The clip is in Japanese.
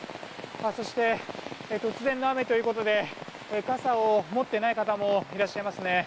そして、突然の雨ということで傘を持っていない方もいらっしゃいますね。